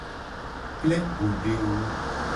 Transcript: Plengugodewo.